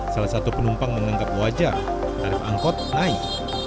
salah satu penumpang menganggap wajar tarif angkot naik